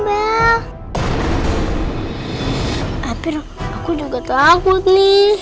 cepetan cepetan bel